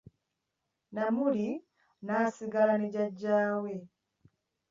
Namuli n'asigala ne jjaja we .